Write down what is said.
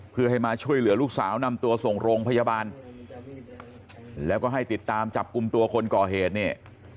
เพื่อให้มาช่วยเหลือลูกสาวนำตัวส่งโรงพยาบาลแล้วก็ให้ติดตามจับกลุ่มตัวคนก่อเหตุเนี่ย